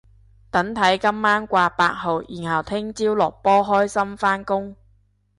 等睇今晚掛八號然後聽朝落波開心返工